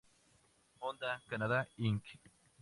Honda Canadá Inc.